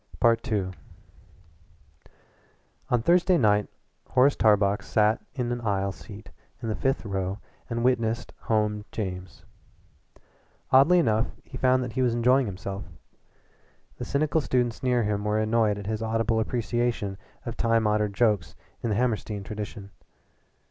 II On Thursday night Horace Tarbox sat in an aisle seat in the fifth row and witnessed "Home James." Oddly enough he found that he was enjoying himself. The cynical students near him were annoyed at his audible appreciation of time honored jokes in the Hammerstein tradition.